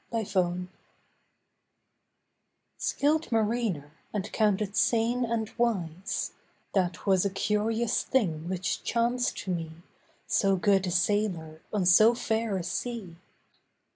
THE GULF STREAM Skilled mariner, and counted sane and wise, That was a curious thing which chanced to me, So good a sailor on so fair a sea.